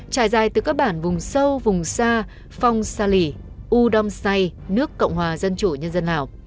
trải dài từ các bản vùng sâu vùng xa phong xa lỉ u đông say nước cộng hòa dân chủ nhân dân hảo